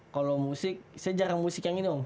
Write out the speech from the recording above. kalau musik saya jarang musik yang ini om